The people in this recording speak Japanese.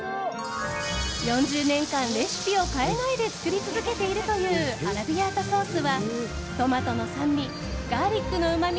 ４０年間レシピを変えないで作り続けているというアラビアータソースはトマトの酸味ガーリックのうまみ